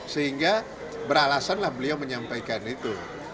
sehingga beralasanlah beliau menyampaikan itu